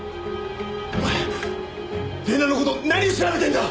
お前玲奈の事何調べてるんだ！？